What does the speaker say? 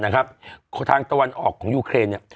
นะครับทางตะวันออกของยุครีเนี่ย